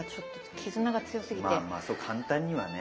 まあまあそう簡単にはね。